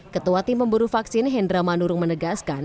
ketua tim pemburu vaksin hendra manurung menegaskan